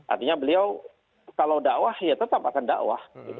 artinya beliau kalau dakwah ya tetap akan dakwah